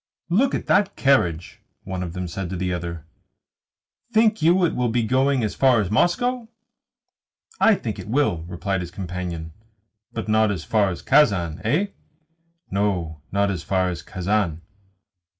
"Look at that carriage," one of them said to the other. "Think you it will be going as far as Moscow?" "I think it will," replied his companion. "But not as far as Kazan, eh?" "No, not as far as Kazan."